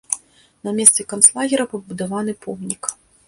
На месцы канцлагера пабудаваны помнік.